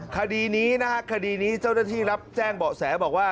คดีนี้นะฮะคดีนี้เจ้าหน้าที่รับแจ้งเบาะแสบอกว่า